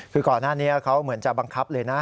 คือก่อนหน้านี้เขาเหมือนจะบังคับเลยนะ